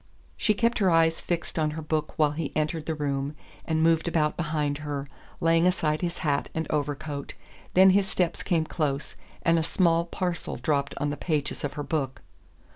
She kept her eyes fixed on her book while he entered the room and moved about behind her, laying aside his hat and overcoat; then his steps came close and a small parcel dropped on the pages of her book.